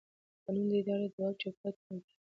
قانون د ادارې د واک چوکاټ ټاکي.